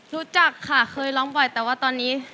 รู้จักค่ะเคยร้องบ่อยแต่ว่าตอนนี้